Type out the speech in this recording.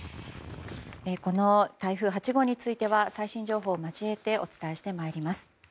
この台風８号については最新情報を交えてお伝えしてまいります。